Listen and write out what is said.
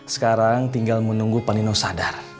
sekarang tinggal menunggu panino sadar